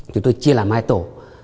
chúng tôi chia làm hai tổ